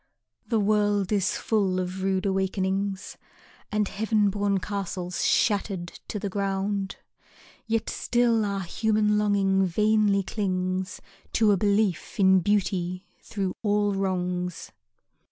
The world is full of rude awakenings And heaven born castles shattered to the ground, Yet still our human longing vainly clings To a belief in beauty through all wrongs.